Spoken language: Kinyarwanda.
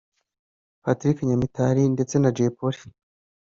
Patrick Nyamitali ndetse na Jay Polly